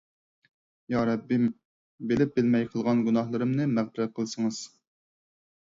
يا رەببىم، بىلىپ-بىلمەي قىلغان گۇناھلىرىمنى مەغپىرەت قىلسىڭىز.